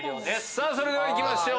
さぁそれではいきましょう。